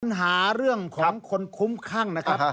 ปัญหาเรื่องของคนคุ้มข้างนะครับ